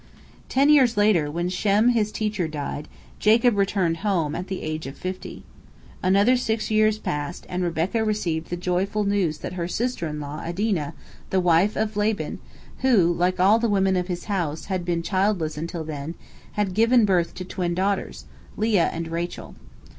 Ten years later, when Shem his teacher died, Jacob returned home, at the age of fifty. Another six years passed, and Rebekah received the joyful news that her sister in law 'Adinah, the wife of Laban, who, like all the women of his house, had been childless until then, had given birth to twin daughters, Leah and Rachel.